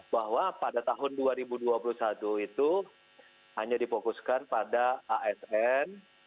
bahwa pada tahun dua ribu dua puluh satu itu hanya difokuskan pada asn